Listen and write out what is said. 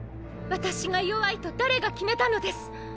私が弱いと誰が決めたのです！